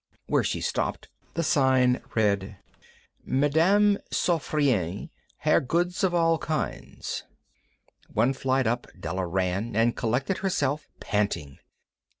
Where she stopped the sign read: "Mme. Sofronie. Hair Goods of All Kinds." One flight up Della ran, and collected herself, panting.